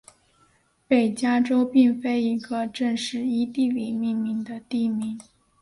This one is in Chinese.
北加州并非一个正式依地理命名的地名。